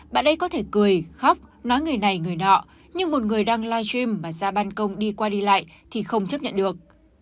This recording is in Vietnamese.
bạn đây có thể cười khóc nói người này người nọ nhưng một người đang live stream mà ra ban công đi qua đi lại thì không chấp nhận được